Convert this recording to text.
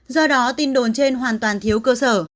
do đó tin đồn trên hoàn toàn thiếu cơ sở